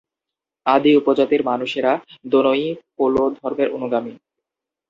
আদি উপজাতির মানুষেরা দোনয়ি-পোলো ধর্মের অনুগামী।